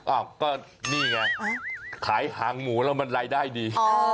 อ้าวก็นี่ไงขายหางหมูแล้วมันรายได้ดี